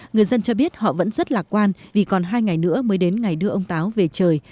người dân cho biết họ vẫn rất lạc quan vì còn hai ngày nữa mới đến ngày đưa ông táo về trời